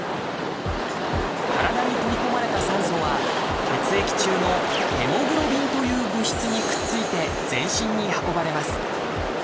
体に取り込まれた酸素は血液中の「ヘモグロビン」という物質にくっついて全身に運ばれます。